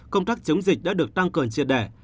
công tác chống dịch đã được tăng cường triệt đẻ